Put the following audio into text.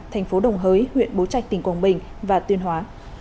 thành phố đồng hới huyện bố trạch tỉnh quảng bình và tuyên hóa